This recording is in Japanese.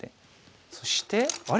そしてあれ？